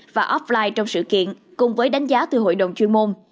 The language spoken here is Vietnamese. và offline trong sự kiện cùng với đánh giá từ hội đồng chuyên môn